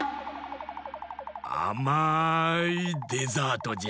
あまいデザートじゃ！